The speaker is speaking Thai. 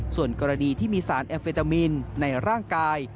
ส่วนกรณีที่มีสารแอมเฟตามินในร่างกาย